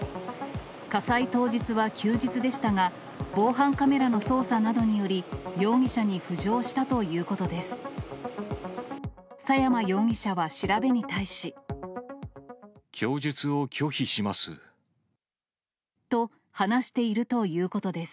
火災当日は休日でしたが、防犯カメラの捜査などにより、容疑者に浮上したということです。